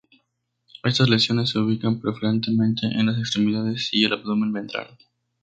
Estas lesiones se ubican preferentemente en las extremidades y en el abdomen ventral.